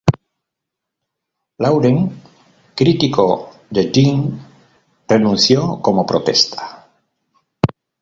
Laurens, crítico de Deane, renunció como protesta.